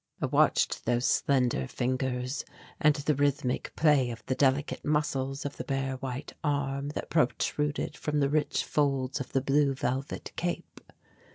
I watched those slender fingers and the rhythmic play of the delicate muscles of the bare white arm that protruded from the rich folds of the blue velvet cape.